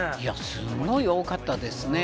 すごい多かったですね。